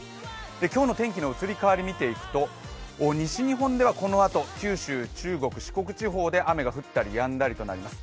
今日の天気の移り変わり見ていくと、西日本ではこのあと九州、中国、四国地方で雨が降ったり、やんだりとなります